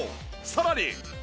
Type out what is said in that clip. さらに！